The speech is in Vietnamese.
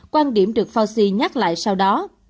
quan điểm được fauci nhắc lại sau đó